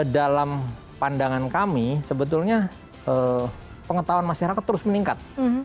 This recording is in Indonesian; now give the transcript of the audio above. dalam pandangan kami sebetulnya pengetahuan masyarakat terus meningkat